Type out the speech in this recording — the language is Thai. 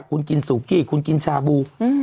คุณกินสุกี้คุณกินชาบู